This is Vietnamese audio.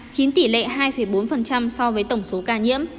chiếm tỷ lệ hai bốn so với tổng số ca nhiễm